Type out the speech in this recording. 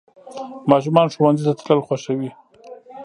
ماشومان ښوونځي ته تلل خوښوي.